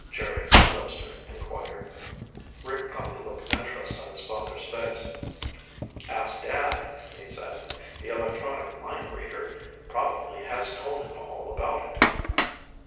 Jerry Webster inquired. Rick caught the look of interest on his father's face. "Ask Dad," he said. "The electronic mind reader probably has told him all about it."